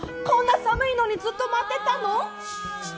こんな寒いのにずっと待ってたの？